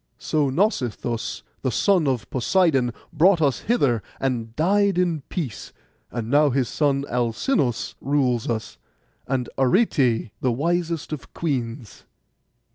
So Nausithous, the son of Poseidon, brought us hither, and died in peace; and now his son Alcinous rules us, and Arete the wisest of queens.